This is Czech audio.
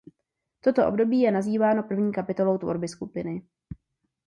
Toto období je nazýváno první kapitolou tvorby skupiny.